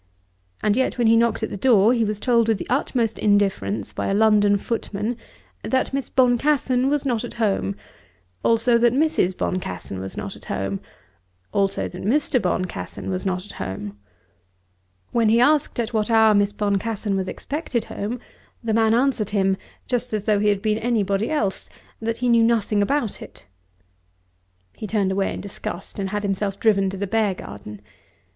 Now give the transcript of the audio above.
And yet when he knocked at the door, he was told with the utmost indifference by a London footman, that Miss Boncassen was not at home, also that Mrs. Boncassen was not at home; also that Mr. Boncassen was not at home. When he asked at what hour Miss Boncassen was expected home, the man answered him, just as though he had been anybody else, that he knew nothing about it. He turned away in disgust, and had himself driven to the Beargarden.